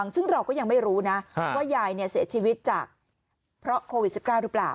ซึ่งเราก็ยังไม่รู้นะว่ายายเสียชีวิตจากเพราะโควิด๑๙หรือเปล่า